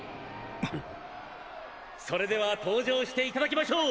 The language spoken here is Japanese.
それでは登場して頂きましょう！